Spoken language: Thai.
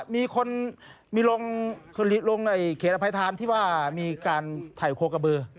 มีคนลงในเขตอภัยธรรมที่ว่ามีการถ่ายโคกะบื้อ